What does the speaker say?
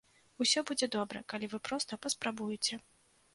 Усё будзе добра, калі вы проста паспрабуеце.